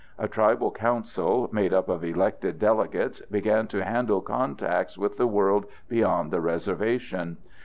A tribal council, made up of elected delegates, began to handle contacts with the world beyond the reservation.